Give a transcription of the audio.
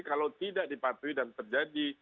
kalau tidak dipatuhi dan terjadi